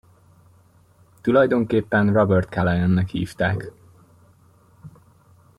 Tulajdonképpen Robert Calaghannek hívták.